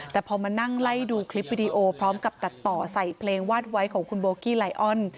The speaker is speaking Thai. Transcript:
แต่พอมานั่งไล่ดูคลิปวิดีโอพร้อมกับตัดต่อใส่เพลงวาดไว้ของคุณโบกี้ไลออน